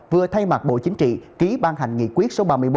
vừa thay mặt bộ chính trị ký ban hành nghị quyết số ba mươi bốn